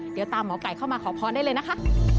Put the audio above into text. เดี๋ยวตามหมอไก่เข้ามาขอพรได้เลยนะคะ